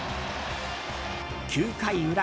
９回裏。